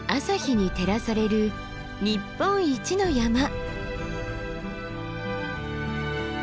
朝日に照らされる日本一の山。